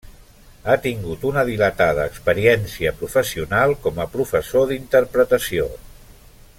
Ha tingut una dilatada experiència professional com a professor d'interpretació.